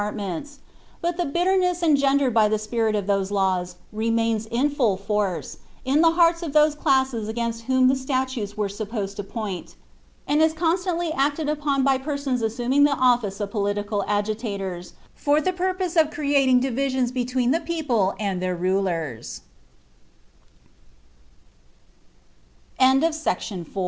9t rtments; but the bitterness engendered by the spirit of those laws mains in full force, in the hearts of those classes against whom the itutes are supposed to point, and is constantly acted upon by persons nuning the office of political agitators, for the purpose of creating ritions between the people and the